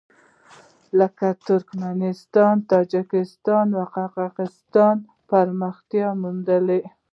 لکه ترکمنستان، تاجکستان او قرغېزستان ته پراختیا موندلې ده.